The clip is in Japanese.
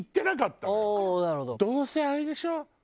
どうせあれでしょ？